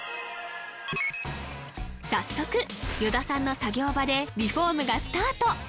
早速依田さんの作業場でリフォームがスタート